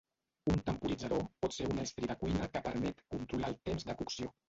Un temporitzador pot ser un estri de cuina que permet controlar els temps de cocció.